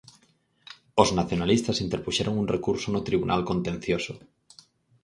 Os nacionalistas interpuxeron un recurso no Tribunal Contencioso.